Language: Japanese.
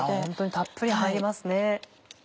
ホントにたっぷり入りますね。